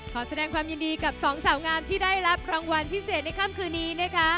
ขอแสดงความยินดีกับสองสาวงามที่ได้รับรางวัลพิเศษในค่ำคืนนี้นะคะ